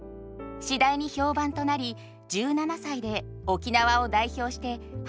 次第に評判となり１７歳で沖縄を代表してハワイ公演に。